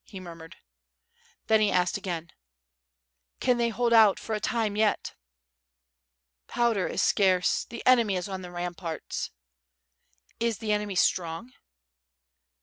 he murmured. Then he asked a<::ain: ('an they hold out for a time yet?" "Powder is scarce, the enemy is on the ramparts." "Is the enemy strong?"